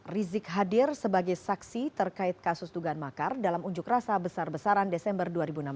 rizik hadir sebagai saksi terkait kasus dugaan makar dalam unjuk rasa besar besaran desember dua ribu enam belas